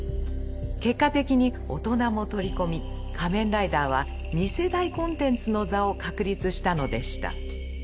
結果的に大人も取り込み「仮面ライダー」は２世代コンテンツの座を確立したのでした。